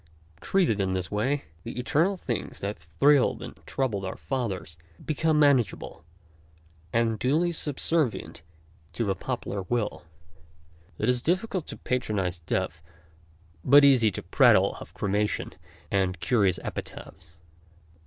Treated in this way, the eternal things that thrilled and troubled our fathers become manageable, and duly subservient to the 88 TRAITORS OF ART 83 popular will. It is difficult to patronize death, but easy to prattle of cremation and curious epitaphs.